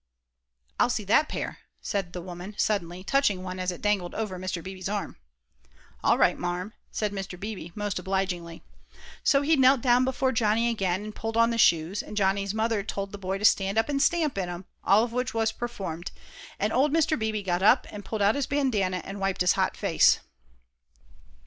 "I'll see that pair," said the woman, suddenly, touching one as it dangled over Mr. Beebe's arm. "All right, Marm," said Mr. Beebe, most obligingly. So he knelt down before Johnny again, and pulled on the shoes, and Johnny's mother told the boy to stand up and stamp in 'em, all of which was performed, and old Mr. Beebe got up and pulled out his bandanna and wiped his hot face.